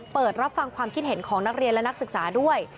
เปิดรับฟังความคิดเห็นของนักเรียนและนักศึกษาด้วย